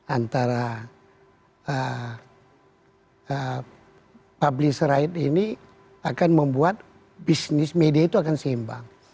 antara publish rights ini akan membuat bisnis media itu akan seimbang